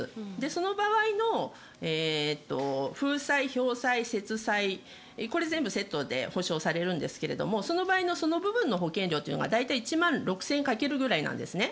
その場合の風災、ひょう災、雪災これ全部セットで補償されるんですがその場合のその部分の保険料が大体１万６０００円掛けるくらいなんですね。